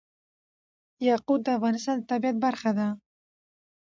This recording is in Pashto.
یاقوت د افغانستان د طبیعت برخه ده.